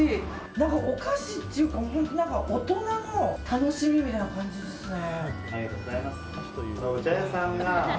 何かお菓子っていうか大人の楽しみみたいな感じですね。